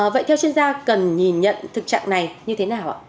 vậy theo chuyên gia cần nhìn nhận thực trạng này như thế nào ạ